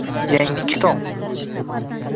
Yangi kitob